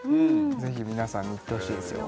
ぜひ皆さんに行ってほしいですよ